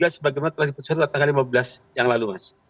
sebagaimana telah diputuskan pada tanggal lima belas yang lalu mas